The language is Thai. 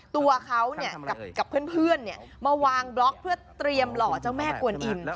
ตัวเขากับเพื่อนมาวางบล็อกเพื่อเตรียมหล่อเจ้าแม่กวนอิ่ม